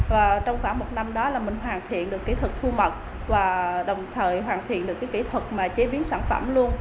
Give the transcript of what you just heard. và trong khoảng một năm đó là mình hoàn thiện được kỹ thuật thu mật và đồng thời hoàn thiện được cái kỹ thuật mà chế biến sản phẩm luôn